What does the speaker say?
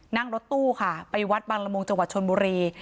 นั่งรถตู้ค่ะไปวัดบางละมุงจังหวัดชนบุรี